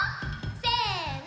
せの！